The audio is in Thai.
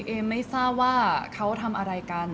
เอมไม่ทราบว่าเขาทำอะไรกัน